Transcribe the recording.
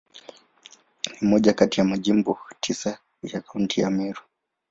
Ni moja kati ya Majimbo tisa ya Kaunti ya Meru.